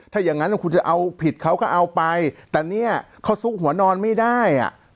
ถ้าอย่างนั้นคุณจะเอาผิดเขาก็เอาไปแต่เนี่ยเขาซุกหัวนอนไม่ได้อ่ะ